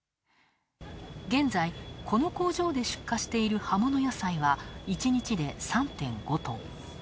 現在、この工場で出荷している葉物野菜は１日で３．５トン。